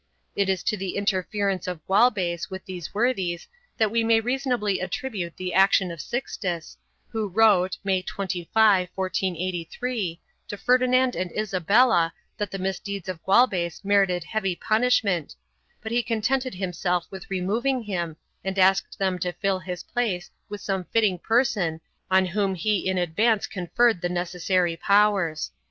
It is to the interference of Gualbes with these worthies that we may reasonably attribute the action of Sixtus, who wrote, May 25, 1483, to Ferdinand and Isabella that the misdeeds of Gualbes merited heavy punishment, but he contented himself with removing him and asked them to fill his place with some fitting person on whom he in advance conferred the necessary powers.